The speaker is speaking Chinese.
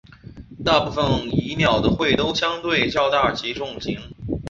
大部份蚁鸟的喙都相对较大及重型。